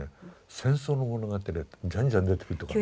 戦争の物語がじゃんじゃん出てくるとこある。